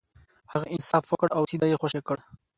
هغه انصاف وکړ او سید یې خوشې کړ.